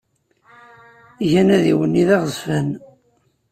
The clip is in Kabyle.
Gan adiwenni d aɣezfan.